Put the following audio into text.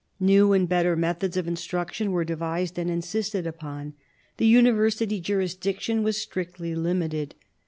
New and better methods of instruction were devised and insisted upon. The University jurisdiction was strictly limited.